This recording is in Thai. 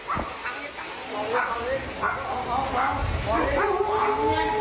ไอ้เบนด้าไอ้เบนด้าโทษเข้าเพื่อน